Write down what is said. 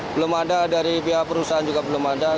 belum ada dari pihak perusahaan juga belum ada